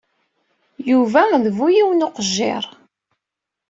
Yuba d bu yiwen uqejjir.